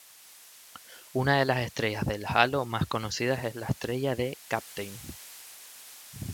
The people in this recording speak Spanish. Una de las estrellas de halo más conocidas es la Estrella de Kapteyn.